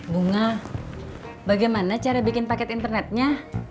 bunga bagaimana cara bikin paket internetnya